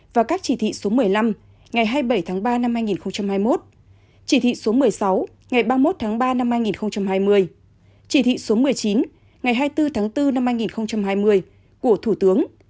và các chỉ thị số một mươi năm ngày hai mươi bảy tháng ba năm hai nghìn hai mươi một chỉ thị số một mươi sáu ngày ba mươi một tháng ba năm hai nghìn hai mươi chỉ thị số một mươi chín ngày hai mươi bốn tháng bốn năm hai nghìn hai mươi của thủ tướng